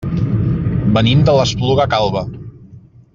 Venim de l'Espluga Calba.